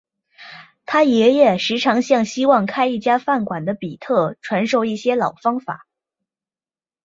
他爷爷时常向希望开一家饭馆的比特传授一些老方法。